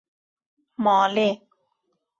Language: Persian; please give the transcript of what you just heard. ماله